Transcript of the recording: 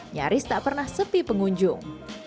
nyaris tak pernah sepi pengunjung